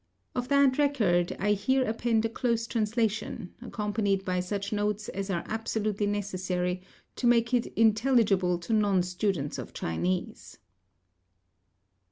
Of that record I here append a close translation, accompanied by such notes as are absolutely necessary to make it intelligible to non students of Chinese.